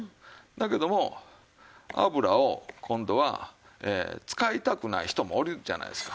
だけども油を今度は使いたくない人もおるじゃないですか。